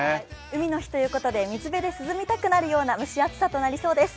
海の日ということで水辺で涼みたくなるような蒸し暑さとなりそうです。